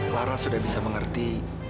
laras sudah bisa mengerti